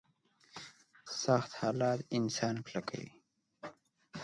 سخت حالات انسان کلکوي.